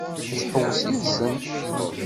Ad tḥewwes yid-sent?